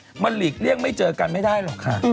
เรื่องแบบนี้มันหลีกเลี่ยงไม่เจอกันไม่ได้หรอกค่ะ